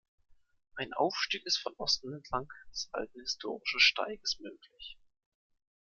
Ein Aufstieg ist von Osten entlang des alten historischen Steiges möglich.